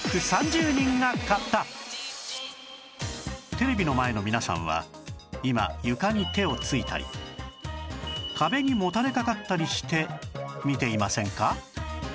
テレビの前の皆さんは今床に手をついたり壁にもたれかかったりして見ていませんか？